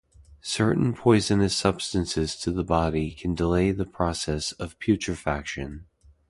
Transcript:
Certain poisonous substances to the body can delay the process of putrefaction.